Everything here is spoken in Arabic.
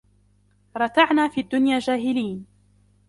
رَتَعْنَا فِي الدُّنْيَا جَاهِلِينَ